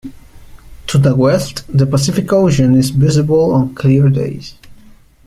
To the west, the Pacific Ocean is visible on clear days.